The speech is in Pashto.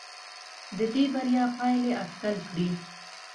د دې بریا پایلې اټکل کړي.